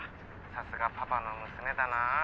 さすがパパの娘だな。